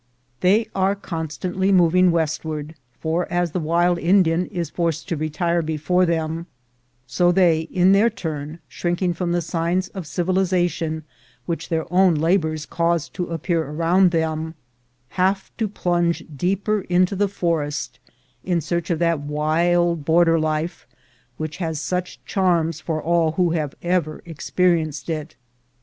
They are con stantly moving westward; for as the wild Indian is forced to retire before them, so they, in their turn, shrinking from the signs of civilization which their own labors cause to appear around them, have to plunge deeper into the forest, in search of that wild border life which has such charms for all who have ever experienced it.